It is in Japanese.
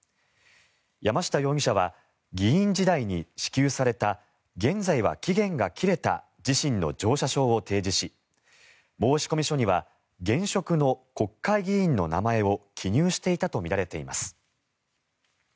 山下容疑者は議員時代に支給された現在は期限が切れた自身の乗車証を提示し申込書には現職の国会議員の名前を記入していたとみられています。